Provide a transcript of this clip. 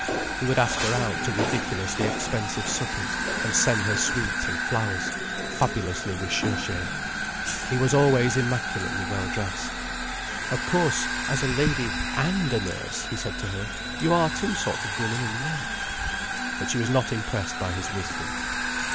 He would ask her out to ridiculously expensive suppers, and send her sweets and flowers, fabulously recherché. He was always immaculately well dressed. "Of course, as a lady and a nurse," he said to her, "you are two sorts of women in one." But she was not impressed by his wisdom.